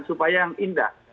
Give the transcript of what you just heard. supaya yang indah